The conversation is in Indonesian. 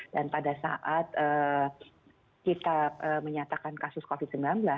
dan pada saat kita menyatakan kasus covid sembilan belas